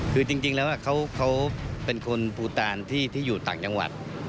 คือจริงแล้วเขาเป็นคนภูตานที่อยู่ต่างจังหวัด